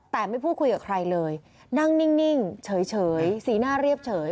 แต่ไม่พูดคุยกับใครเลยนั่งนิ่งเฉยสีหน้าเรียบเฉย